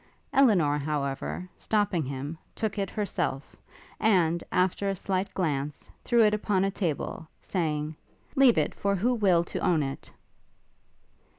Elinor, however, stopping him, took it herself, and, after a slight glance, threw it upon a table, saying, 'Leave it for who will to own it.'